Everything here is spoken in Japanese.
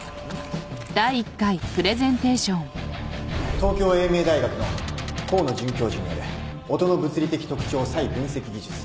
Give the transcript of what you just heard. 東京英明大学の河野准教授による音の物理的特徴差異分析技術。